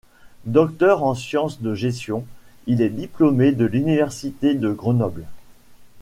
Docteur en Sciences de Gestion, il est diplômé de l'université de Grenoble.